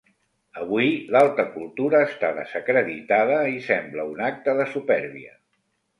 Avui, l'alta cultura està desacreditada i sembla un acte de supèrbia.